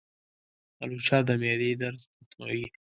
الوچه د معدې درد ختموي.